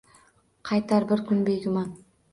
Qaytar bir kun, begumon.